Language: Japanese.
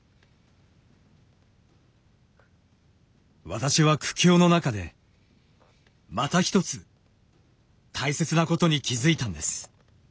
私は苦境の中でまた一つ大切なことに気づいたんです。